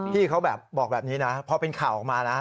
พี่เขาแบบบอกแบบนี้นะพอเป็นข่าวออกมานะ